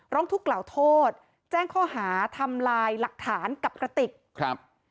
ร้องทุกข์กล่าวโทษแจ้งข้อหาทำลายหลักฐานกับกระติกครับ